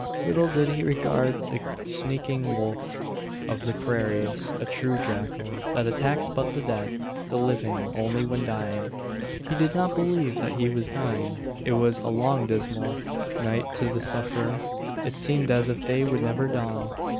Little did he regard the sneaking wolf of the prairies a true jackal that attacks but the dead; the living, only when dying. He did not believe that he was dying. It was a long dismal night to the sufferer; it seemed as if day would never dawn.